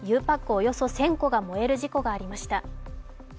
およそ１０００個が燃える事故がありました。